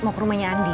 mau ke rumahnya andi